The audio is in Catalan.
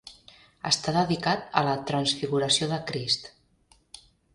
Està dedicat a la transfiguració de Crist.